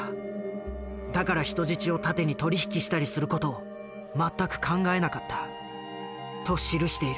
だから人質を盾に取り引きしたりする事を全く考えなかったと記している。